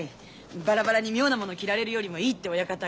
バラバラに妙なもの着られるよりもいいって親方が。